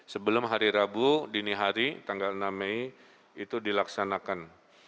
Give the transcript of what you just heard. sebelum hari rabu dini hari tanggal enam mei itu dilaksanakan